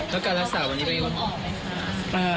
แล้วการรักษาวันนี้เป็นยังไง